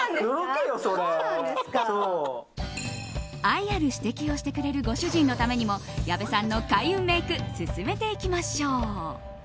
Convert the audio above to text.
愛ある指摘をしてくれるご主人のためにも矢部さんの開運メイク進めていきましょう。